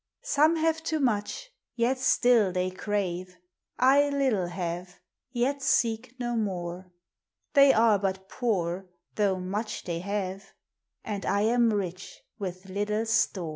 Some have too much, yet still they eraw ; I little haw, v.'t see* no mow. They arc but poore, though much fchey have, And 1 am r'x li with little store.